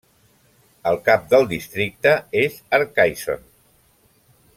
El cap del districte és Arcaishon.